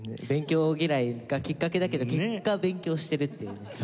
勉強嫌いがきっかけだけど結果勉強してるっていうね